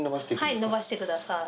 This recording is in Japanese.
はいのばしてください。